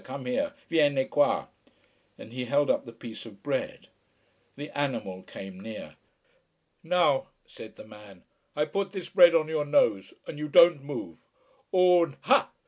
Come here. Vieni qua!" And he held up the piece of bread. The animal came near. "Now," said the man, "I put this bread on your nose, and you don't move, un Ha!!"